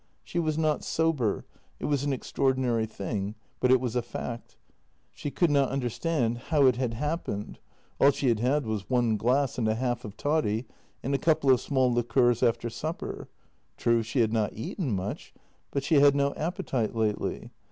She was not sober; it was an extraordinary thing, but it was a fact. She could not under stand how it had happened ; all she had had was one glass and a half of toddy and a couple of small liqueurs after supper. True, she had not eaten much, but she had no appetite lately.